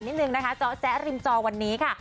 นิดนึงนะคะเจาะแจ๊ริมจอวันนี้ค่ะ